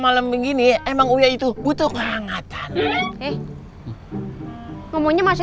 waktu yang tepat untuk afirmasi